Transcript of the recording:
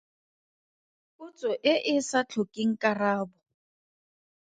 Potso e e sa tlhokeng karabo.